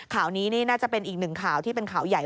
ข่าวนี้นี่น่าจะเป็นอีกหนึ่งข่าวที่เป็นข่าวใหญ่